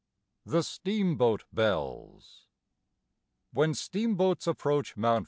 THE STEAMBOAT BELLS When steamboats approach Mt.